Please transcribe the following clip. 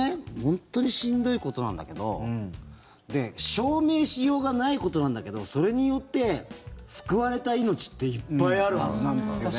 本当にしんどいことなんだけど証明しようがないことなんだけどそれによって救われた命っていっぱいあるはずなんですよね。